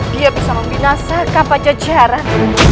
dia bisa membinasakan pancacaran